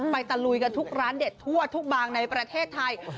ตะลุยกันทุกร้านเด็ดทั่วทุกบางในประเทศไทย